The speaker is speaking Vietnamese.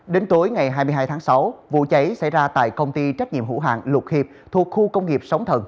đến tối ngày hai mươi hai tháng sáu vụ cháy xảy ra tại công ty trách nhiệm hữu hạng lục hiệp thuộc khu công nghiệp sóng thần